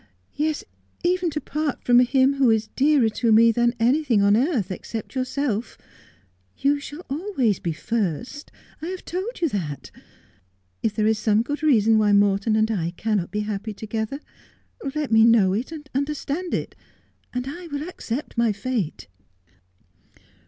Yes, even to part from him who is dearer to me than anything on earth except yourself. You shall always be first. I have told you that. But pray do not treat me like a child. If there is some good reason why Morton and I cannot be happy together, let me know it, and understand it, and I will accept my fate.'